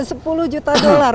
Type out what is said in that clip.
sepuluh juta dollar